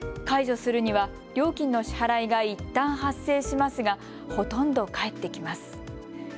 解除するには料金の支払いがいったん発生しますがほとんど返ってきます。